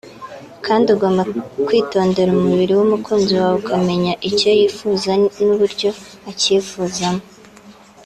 kandi ugomba kwitondera umubiri w’umukunzi wawe ukamenya icyo yifuza n’uburyo acyifuzamo